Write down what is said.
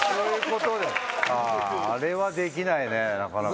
ああれはできないねなかなか。